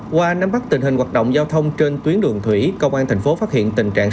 qua nắm bắt tình hình hoạt động giao thông trên tuyến đường thủy công an thành phố phát hiện tình trạng